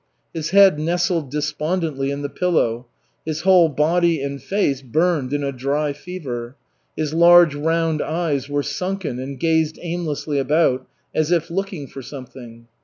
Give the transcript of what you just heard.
His head nestled despondently in the pillow. His whole body and face burned in a dry fever. His large round eyes were sunken and gazed aimlessly about, as if looking for something.